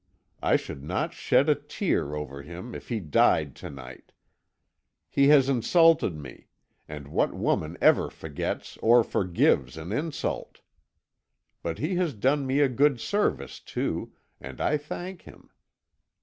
I should not shed a tear over him if he died to night. He has insulted me and what woman ever forgets or forgives an insult? But he has done me a good service, too, and I thank him.